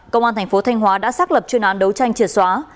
công an tp thanh hóa đã xác lập chuyên án đấu tranh triệt xóa